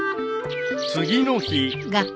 ［次の日］